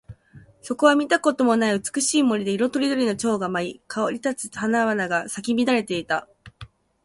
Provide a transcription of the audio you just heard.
そこは見たこともない美しい森で、色とりどりの蝶が舞い、香り立つ花々が咲き乱れていた。